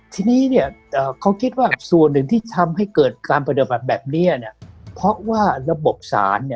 ที่ทำให้เกิดการพอดีเพราะว่าระบบสาร